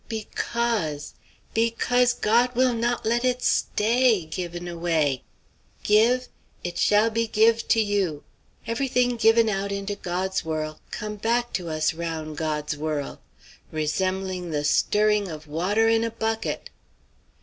"Because because God will not let it sta a ay given away! 'Give it shall be give' to you.' Every thing given out into God's worl' come back to us roun' God's worl'! Resem'ling the stirring of water in a bucket."